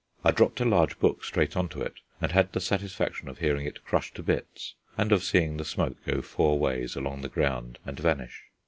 I dropped a large book straight on to it, and had the satisfaction of hearing it crush to bits and of seeing the smoke go four ways along the ground and vanish.